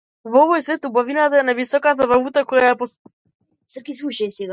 Во овој свет убавината е највисоката валута која ја поседуваме.